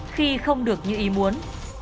khi không được như ý muốn